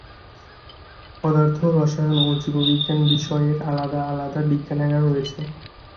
পদার্থ, রসায়ন ও জীববিজ্ঞান বিষয়ের আলাদা আলাদা বিজ্ঞানাগার রয়েছে।